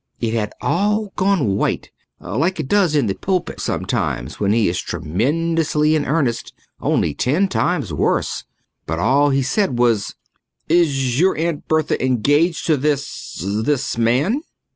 It had all gone white, like it does in the pulpit sometimes when he is tremendously in earnest, only ten times worse. But all he said was, "Is your Aunt Bertha engaged to this this man?"